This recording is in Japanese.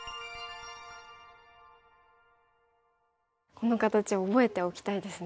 この形覚えておきたいですね。